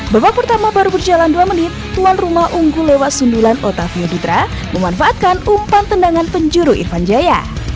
babak pertama baru berjalan dua menit tuan rumah unggul lewat sundulan otavio dutra memanfaatkan umpan tendangan penjuru irfan jaya